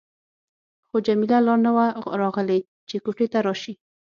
خو جميله لا نه وه راغلې چې کوټې ته راشي.